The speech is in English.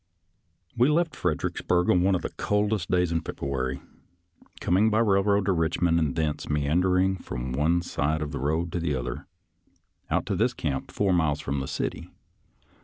We left Fredericksburg on one of the coldest days in February, coming by railroad to Rich mond, and thence, meandering from one side of the road to the other, out to this camp, four miles 98 IN AND AROUND RICHMOND 99 from the city.